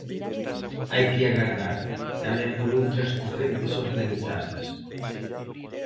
Hai que agardar, tamén por outras correntes organizadas.